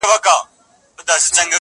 ورته اور كلى، مالت، كور او وطن سي.!